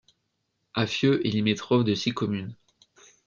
Affieux est limitrophe de six communes.